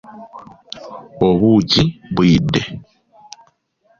Obuugi buyidde.